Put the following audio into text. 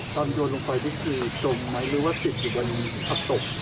ตอนโยนลงไปคือจมไหมหรือว่าจิตอยู่บนอับสม